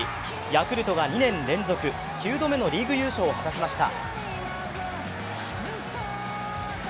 ヤクルトが２年連続、９度目のリーグ優勝を果たしました。